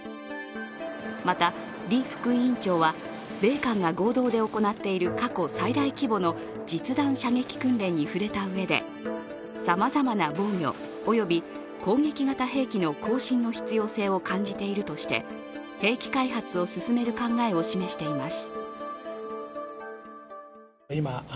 また、リ副委員長は米韓が合同で行っている過去最大規模の実弾射撃訓練に触れたうえでさまざまな防御および攻撃型兵器の更新の必要性を感じているとして兵器開発を進める考えを示しています。